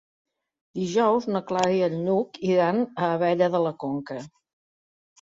Dijous na Clara i en Lluc iran a Abella de la Conca.